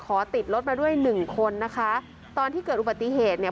ติดรถมาด้วยหนึ่งคนนะคะตอนที่เกิดอุบัติเหตุเนี่ย